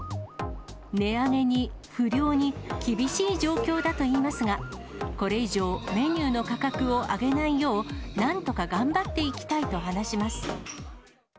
値上げに不漁に、厳しい状況だといいますが、これ以上、メニューの価格を上げないよう、なんとか頑張っていきたいと話します。